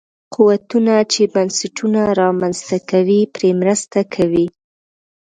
قوتونه چې بنسټونه رامنځته کوي پرې مرسته کوي.